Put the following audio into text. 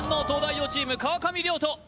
東大王チーム川上諒人